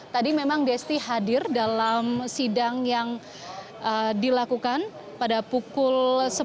tadi memang desti hadir dalam sidang yang dilakukan pada pukul sepuluh